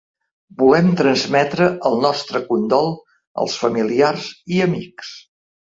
Volem transmetre el nostre condol als familiars i amics.